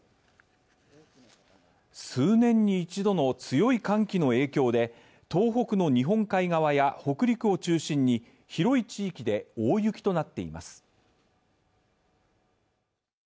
数年に一度の強い寒気の影響で東北の日本海側や北陸を中心に広い地域で大雪となっています。